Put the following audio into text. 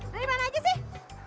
dari mana aja sih